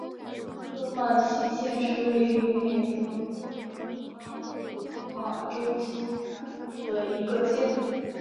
科曼奇县是位于美国俄克拉何马州西南部的一个县。